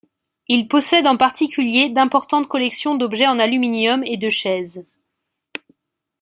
Il possède en particulier d'importantes collections d'objets en aluminium et de chaises.